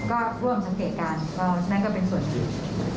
มาพร้อมกับพนัยก็ร่วมสังเกตการณ์ก็นั่นก็เป็นส่วนชื่อ